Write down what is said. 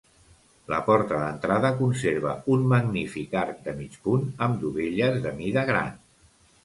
La porta d'entrada conserva un magnífic arc de mig punt amb dovelles de mida gran.